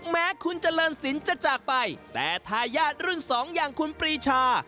แม้คุณเจริญสินจะจากไปแต่ทายาทรุ่นสองอย่างคุณปรีชา